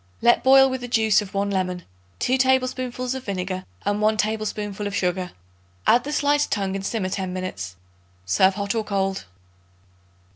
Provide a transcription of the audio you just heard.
Let boil with the juice of 1 lemon, 2 tablespoonfuls of vinegar and 1 tablespoonful of sugar. Add the sliced tongue and simmer ten minutes. Serve hot or cold.